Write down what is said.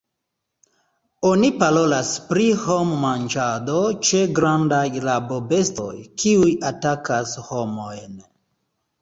Oni parolas pri hom-manĝado ĉe grandaj rabobestoj, kiuj atakas homojn.